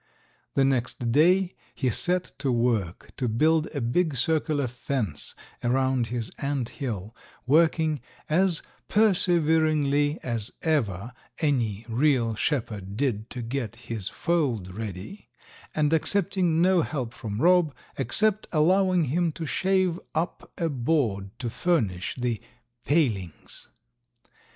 The next day he set to work to build a big circular fence around his ant hill, working as perseveringly as ever any real shepherd did to get his fold ready, and accepting no help from Rob except allowing him to shave up a board to furnish the "palings."